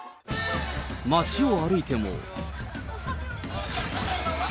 街を歩いても。